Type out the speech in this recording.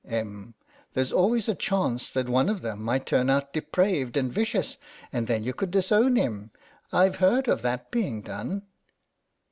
Em, : There's always a chance that one of them might turn out depraved and vicious, and then you could disown him. I've heard of that being done.